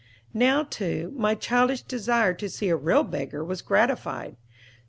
Now, too, my childish desire to see a real beggar was gratified.